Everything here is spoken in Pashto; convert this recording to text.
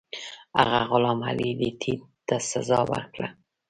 هغه غلام علي لیتي ته سزا ورکړه.